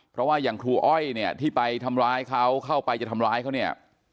เพราะว่าอย่างครูอ้อยเนี่ยที่ไปทำร้ายเขาเข้าไปจะทำร้ายเขาเนี่ย